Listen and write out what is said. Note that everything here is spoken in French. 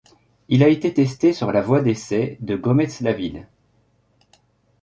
Il a été testé sur la voie d'essai de Gometz-la-Ville.